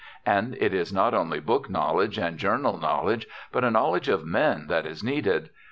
And it is not only book knowledge and journal knowledge, but a knowledge of men that is needed.